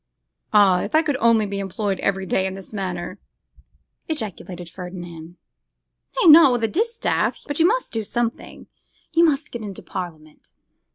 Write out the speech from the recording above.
'Ah! if I could only be employed every day in this manner!' ejaculated Ferdinand. 'Nay! not with a distaff; but you must do something. You must get into parliament.